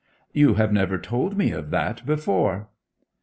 'You have never told me of that before.'